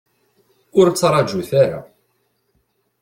Ur ttraǧut ara.